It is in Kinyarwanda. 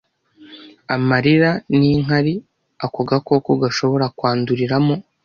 amarira n’inkari ako gakoko gashobora kwanduriramo .